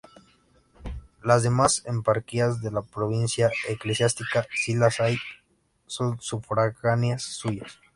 Las demás eparquías de la provincia eclesiástica, si las hay, son sufragáneas suyas.